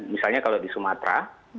misalnya kalau di sumatera